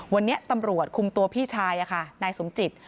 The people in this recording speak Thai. วันนี้ตำรวจคุมตัวพี่ชายนายสมจิต